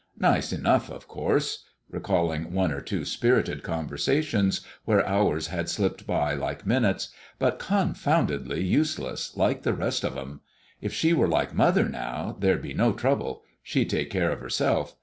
Nice enough, of course," recalling one or two spirited conversations where hours had slipped by like minutes, "but confoundedly useless, like the rest of 'em. If she were like mother, now, there'd be no trouble. She'd take care of herself.